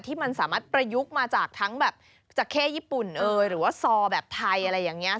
ที่มันสามารถประยุกต์มาจากแค่ญี่ปุ่นหรือว่าซอแบบไทยอะไรอย่างนี้